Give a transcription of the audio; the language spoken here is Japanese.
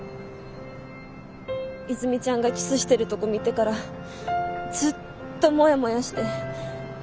和泉ちゃんがキスしてるとこ見てからずっともやもやして。